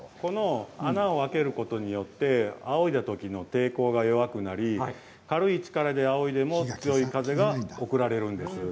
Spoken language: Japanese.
穴を開けることによってあおぐときの抵抗が弱くなって軽い力であおいでも追い風が送られるんです。